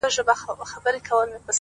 ستا د تورو سترگو اوښکي به پر پاسم!